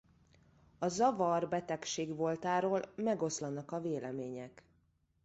A zavar betegség voltáról megoszlanak a vélemények.